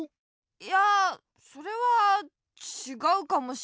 いやそれはちがうかもしれない。